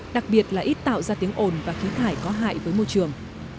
đặc biệt là ít tạo ra tiếng ồn và khí thải có hại với môi trường